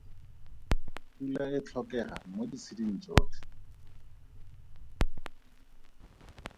Pula e tlhokega mo ditsheding tsotlhe.